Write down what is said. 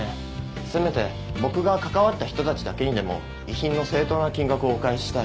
せめて僕が関わった人たちだけにでも遺品の正当な金額をお返ししたい。